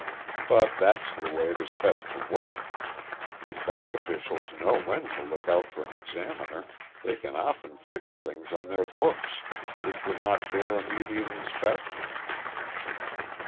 But that's the way it is best to work. If bank officials know when to look out for an examiner, they can often fix things on their books which would not bear immediate inspection.